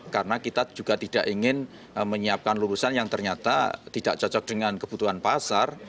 karena kita juga tidak ingin menyiapkan lulusan yang ternyata tidak cocok dengan kebutuhan pasar